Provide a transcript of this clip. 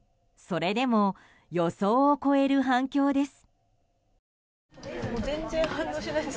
それでも予想を超える反響です。